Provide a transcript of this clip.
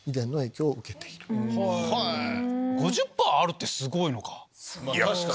５０％あるってすごいのか。